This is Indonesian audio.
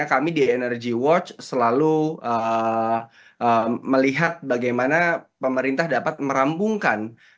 kami di energy watch selalu melihat bagaimana pemerintah dapat merampungkan